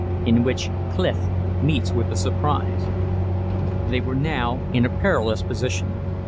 IN WHICH CLIF MEETS WITH A SURPRISE. They were now in a perilous position.